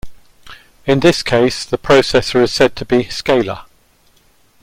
In this case, the processor is said to be "scalar".